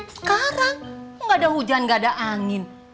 sekarang nggak ada hujan gak ada angin